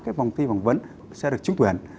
cái vòng thi phỏng vấn sẽ được trúng tuyển